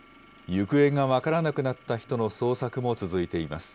行方が分からなくなった人の捜索も続いています。